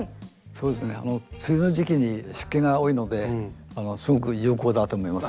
そうですね梅雨の時期に湿気が多いのですごく有効だと思います。